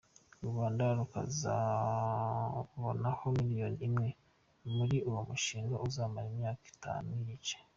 U Rwanda rukazabonaho miliyoni imwe, muri uwo mushinga uzamara imyaka itatu n’igice.